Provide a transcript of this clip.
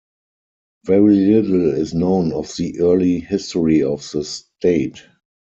Very little is known of the early history of the state.